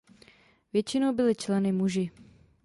Většinou byli členy muži.